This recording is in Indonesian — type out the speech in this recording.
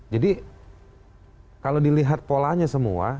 jadi kalau dilihat polanya semua